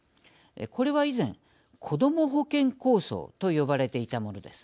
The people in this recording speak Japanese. これは、以前こども保険構想と呼ばれていたものです。